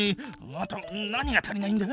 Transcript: あと何が足りないんだ？